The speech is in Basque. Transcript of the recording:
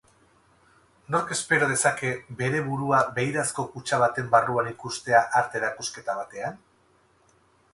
Nork espero dezake bere burua beirazko kutxa baten barruan ikustea arte erakusketa batean?